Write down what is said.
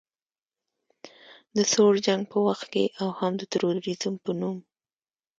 د سوړ جنګ په وخت کې او هم د تروریزم په نوم